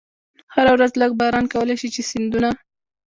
هره ورځ لږ باران کولای شي چې سیندونه.